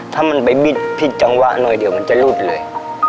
ถ้ามันไปบิดผิดจังหวะหน่อยเดี๋ยวมันจะหลุดเลย